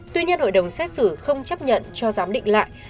tuy nhiên hội đồng xét xử không chấp nhận cho giám định lại